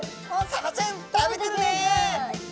サバちゃん食べてるね。